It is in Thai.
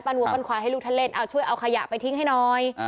ปั่นหัวปั่นขวายให้ลูกท่านเล่นช่วยเอาขยะไปทิ้งให้น้อย